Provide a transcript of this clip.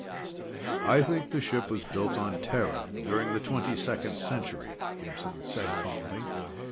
"I think the ship was built on Terra during the Twenty second Century," Gibson said calmly.